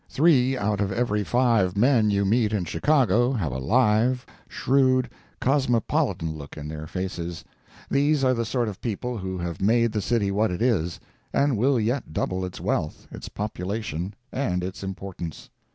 Three out of every five men you meet in Chicago have a live, shrewd, cosmopolitan look in their faces. These are the sort of people who have made the city what it is, and will yet double its wealth, its population and its importance.